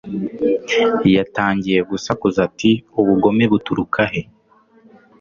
Yatangiye gusakuza ati Ubugome buturuka he